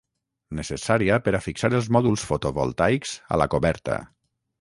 Necessària per a fixar els mòduls fotovoltaics a la coberta